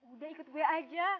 udah ikut gue aja